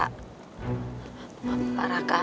kamu balik kerja deh